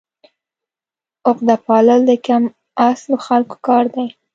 عقده پالل د کم اصلو خلکو کار دی.